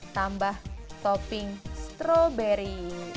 tambah topping strawberry